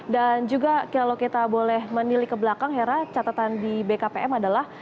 dan juga kalau kita boleh menilih ke belakang hera catatan di bkpm adalah